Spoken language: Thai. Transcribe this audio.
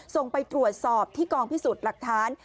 ส่งไปตรวจสอบที่กองพิสูจน์หลักฐาน